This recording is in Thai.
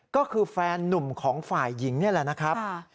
ก็คือแฟนนุ่มของฝ่ายหญิงนี่แหละนะครับ